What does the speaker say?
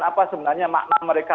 apa sebenarnya makna mereka